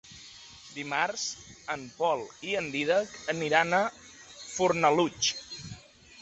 Dimarts en Pol i en Dídac aniran a Fornalutx.